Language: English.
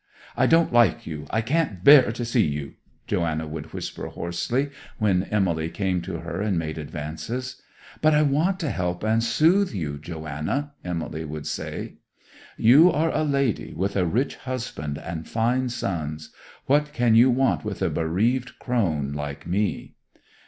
'I don't like you! I can't bear to see you!' Joanna would whisper hoarsely when Emily came to her and made advances. 'But I want to help and soothe you, Joanna,' Emily would say. 'You are a lady, with a rich husband and fine sons! What can you want with a bereaved crone like me!